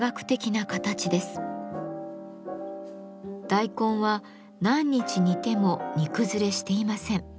大根は何日煮ても煮崩れしていません。